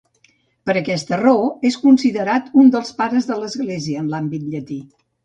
Per aquesta raó és considerat un dels Pares de l'Església, en l'àmbit llatí.